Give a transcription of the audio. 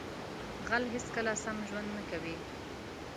غل هیڅکله سم ژوند نه کوي